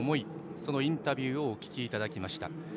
そのインタビューをお聞きいただきました。